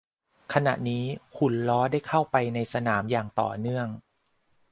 ขณะนี้หุ่นล้อได้เข้าไปในสนามอย่างต่อเนื่อง